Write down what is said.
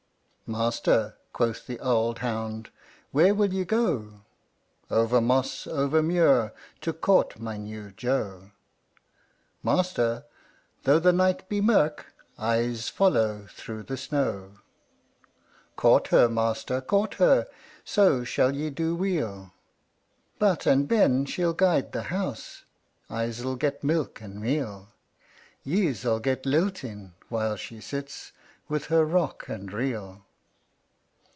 "Master," quoth the auld hound, "Where will ye go?" "Over moss, over muir. To court my new jo." "Master, though the night be merk, I'se follow through the snow. "Court her, master, court her, So shall ye do weel; But and ben she'll guide the house, I'se get milk and meal. Ye'se get lilting while she sits With her rock and reel."